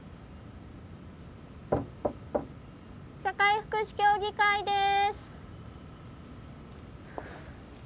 社会福祉協議会です。